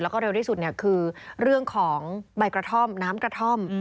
แล้วก็เร็วที่สุดคือเรื่องของใบกระท่อมน้ำกระท่อม